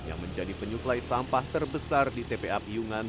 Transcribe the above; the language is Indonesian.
yang menjadi penyuplai sampah terbesar di tpa piyungan